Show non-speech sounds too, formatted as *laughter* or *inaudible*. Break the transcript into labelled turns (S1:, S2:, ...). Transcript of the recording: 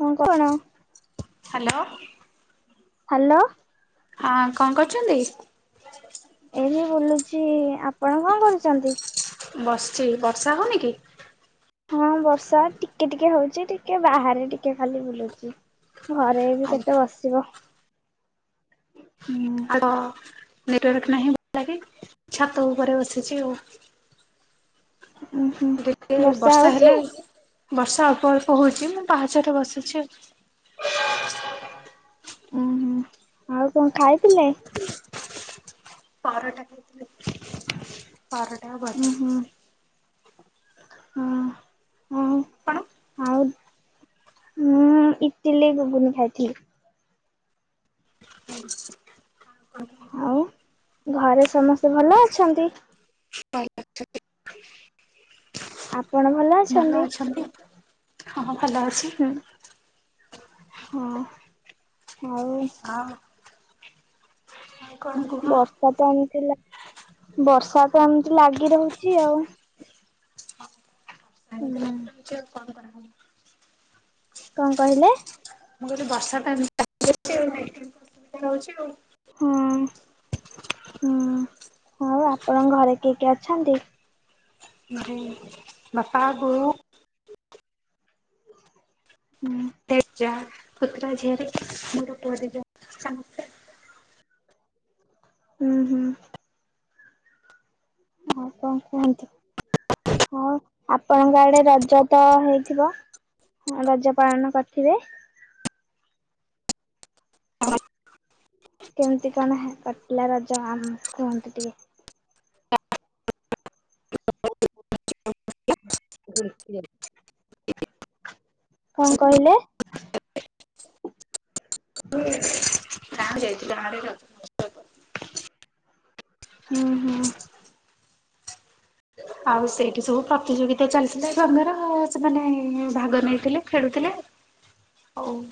S1: କଣ କଣ
S2: hello.
S1: Hello.
S2: ହଁ କଣ କରୁଛନ୍ତି?
S1: ଏ ଯେ ବୁଲୁଚି ଆପଣ କଣ କରୁଛନ୍ତି?
S2: ବସିଛି ବର୍ଷା ହଉନି କି?
S1: ହଁ ବର୍ଷା ଟିକେ ଟିକେ ହଉଛି ଟିକେ ବାହାରେ ଟିକେ ଖାଲି ବୁଲୁଚ ଘରେ ବି କେତେ ବସିବ।
S2: ହ
S1: ହୁଁ
S2: *unintelligible* ହଁ ନେଟୁଆର୍କ ନାହିଁ ଭ ଲାଗ ଛାତ ଉପରେ ବସିଛି ଆଉ
S1: ଉଁ ହୁଁ
S2: ଟିକେ ବର୍ଷା ହେଲେ ବର୍ଷା ଅଳ୍ପ ଅଳ୍ପ ହଉଛି ମୁଁ ପାହାଚରେ ବସିଛି।
S1: ଉଁ ହୁଁ ଆଉ କଣ ଖାଇଥିଲେ?
S2: ବାରଟା କେ।
S1: ଉଁ
S2: ଭଜା।
S1: ହୁଁ ହଁ। ହଁ
S2: ଆପଣ?
S1: ଆଉ ମୁଁ ଇତିଲି ଗୁଗୁନି ଖାଇଥିଲି।
S2: ହୁ *inaudible*
S1: ଆଉ ଘରେ ସମସ୍ତେ ଭଲ ଅଛନ୍ତି?
S2: ପାଇ ଲ *unintelligible* ଭଲ ଅଛନ୍ତି ହଁ ଭଲ ଅଛି।
S1: ହୁଁ ହଁ ଆଉ?
S2: ଆ। ଆଉ କଣ କୁହ?
S1: *unintelligible* ବର୍ଷା ତ ଏମିତି ବର୍ଷା ତ ଏମିତି ଲାଗି ରହୁଛି ଆଉ।
S2: ହଁ
S1: ହୁଁ।
S2: *unintelligible* କଣ କରାହବ।
S1: କଣ କହିଲେ?
S2: ମୁଁ କହିଲି ବର୍ଷା ଟା କାଚୁଚି *unintelligible*
S1: ହଁ, ହୁଁ ଆଉ ଆପଣଙ୍କ ଘରେ କିଏ କିଏ ଅଛନ୍ତି?
S2: ବାପା, ବୋଉ
S1: ହୁଁ।
S2: *unintelligible*
S1: ହୁଁ, ହୁଁ। ହଉ କଣ କୁହନ୍ତୁ? ହଁ ଆପଣଙ୍କ ଆଡେ ରଜ ତ ହେଇଥିବ? ରଜ ପାଳନ କରିଥିବେ? କେମିତି କଣ କଟିଲା ରଜ ଆମ କୁହନ୍ତି ଟିକେ?
S2: *unintelligible*
S1: *unintelligible* କଣ କହିଲେ?
S2: *unintelligible*
S1: ହୁଁ, ହୁଁ।
S2: ଆଉ ସେଇଠି ସବୁ ପ୍ରତିଯୋଗିତା ଚାଲିଥିଲା ସାଙ୍ଗର ସେମାନେ ଭାଗ ନେଇଥିଲେ ଖେଳୁଥିଲେ? ହଉ।